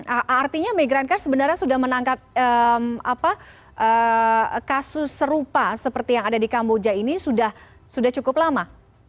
artinya migrancar sebenarnya sudah menangkap kasus serupa seperti yang ada di kamboja ini sudah cukup lama